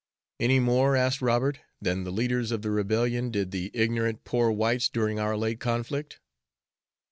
"Any more," asked Robert, "than the leaders of the Rebellion did the ignorant, poor whites during our late conflict?"